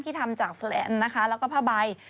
ทำจากโซแลนด์นะคะแล้วก็ผ้าใบ